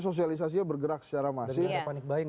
sosialisasinya bergerak secara masing dan gak ada panik baiing